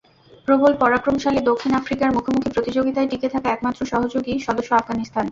প্রবল পরাক্রমশালী দক্ষিণ আফ্রিকার মুখোমুখি প্রতিযোগিতায় টিকে থাকা একমাত্র সহযোগী সদস্য আফগানিস্তান।